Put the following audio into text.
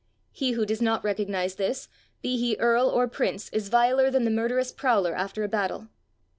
He who does not recognize this, be he earl or prince, is viler than the murderous prowler after a battle.